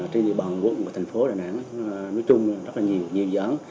trên địa bàn quận của thành phố đà nẵng nối chung rất là nhiều nhiều dẫn